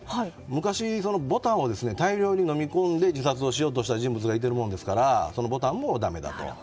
昔、ボタンを大量に飲み込んで自殺をしようとした人物がいてるものですからボタンもだめだと。